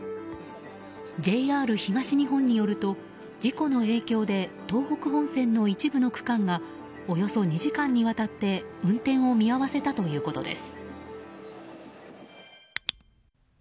ＪＲ東日本によると事故の影響で東北本線の一部の区間がおよそ２時間にわたって運転を見合わせたということです。